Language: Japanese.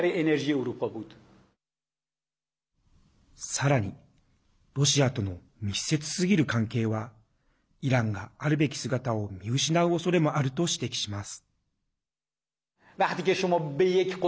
さらに、ロシアとの密接すぎる関係はイランが、あるべき姿を見失う恐れもあると指摘します。